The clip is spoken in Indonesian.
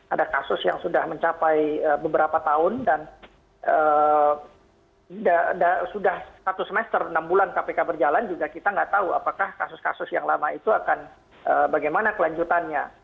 ada kasus yang sudah mencapai beberapa tahun dan sudah satu semester enam bulan kpk berjalan juga kita nggak tahu apakah kasus kasus yang lama itu akan bagaimana kelanjutannya